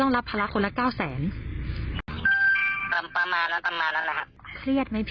เพราะเรากลับความรู้สึกของตัวเองเราน่าจะรู้อยู่แล้ว